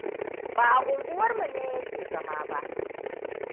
Ba a unguwarmu ne ya ke zama ba.